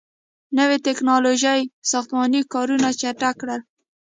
• نوي ټیکنالوژۍ ساختماني کارونه چټک کړل.